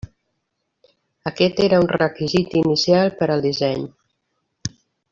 Aquest era un requisit inicial per al disseny.